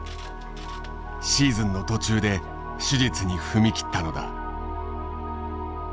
シーズンの途中で手術に踏み切ったのだ。